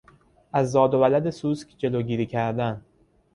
از زاد و ولد سوسک جلوگیری کردن